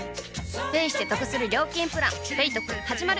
ペイしてトクする料金プラン「ペイトク」始まる！